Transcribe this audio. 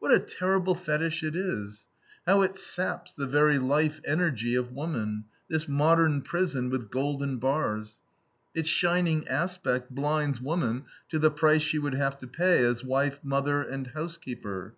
What a terrible fetich it is! How it saps the very life energy of woman, this modern prison with golden bars. Its shining aspect blinds woman to the price she would have to pay as wife, mother, and housekeeper.